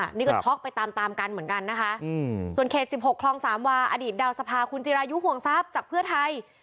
อันนี้ก็ช็อกไปตามตามกันเหมือนกันนะคะส่วนเขต๑๖คลองสามวาอดีตดาวสภาคุณจิรายุห่วงทรัพย์จากเพื่อไทย